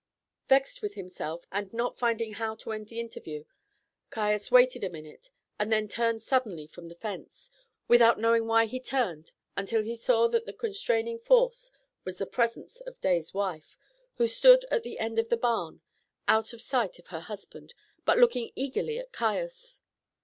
Vexed with himself, and not finding how to end the interview, Caius waited a minute, and then turned suddenly from the fence, without knowing why he turned until he saw that the constraining force was the presence of Day's wife, who stood at the end of the barn, out of sight of her husband, but looking eagerly at Caius.